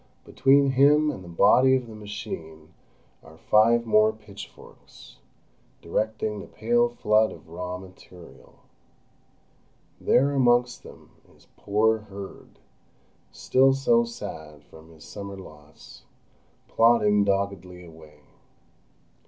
Between him and the body of the machine are five more pitch forks, directing the pale flood of raw material. There, amongst them, is poor Herd, still so sad from his summer loss, plodding doggedly away.